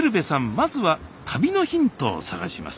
まずは旅のヒントを探します。